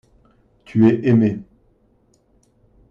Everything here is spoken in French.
Tu es aimé.